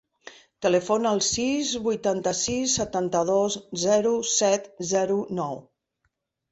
Telefona al sis, vuitanta-sis, setanta-dos, zero, set, zero, nou.